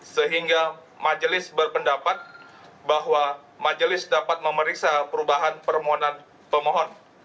sehingga majelis berpendapat bahwa majelis dapat memeriksa perubahan permohonan pemohon